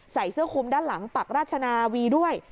ใส่เสื้อคุมด้านหลังปักราชนาวีด้วย